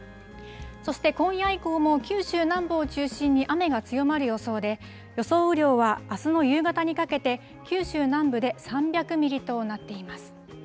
そして今夜以降も九州南部を中心に雨が強まる予想で、予想雨量はあすの夕方にかけて、九州南部で３００ミリとなっています。